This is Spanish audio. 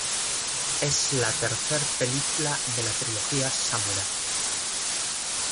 Es la tercer película de la trilogía "Samurai".